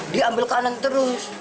dia ambil kanan terus